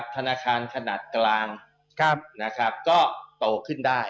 ธนาคารขนาดกลางก็โตขึ้นได้